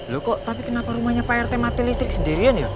lo kok tapi kenapa rumahnya prt mati listrik sendirian ya